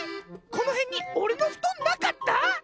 このへんにおれのふとんなかった？